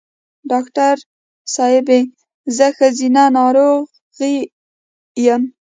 ډاکټر صېبې زه ښځېنه ناروغی یم